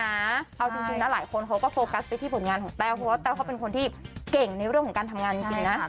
เอาจริงนะหลายคนเขาก็โฟกัสไปที่ผลงานของแต้วเพราะว่าแต้วเขาเป็นคนที่เก่งในเรื่องของการทำงานจริงนะ